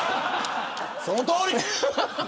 そのとおり。